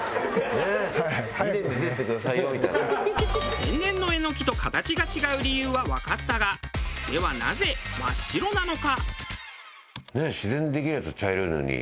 天然のエノキと形が違う理由はわかったがではなぜ真っ白なのか？